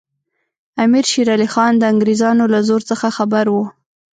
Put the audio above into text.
امیر شېر علي خان د انګریزانو له زور څخه خبر وو.